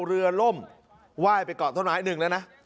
เรือล่มไหว้ไปเกาะต้นไม้หนึ่งแล้วนะ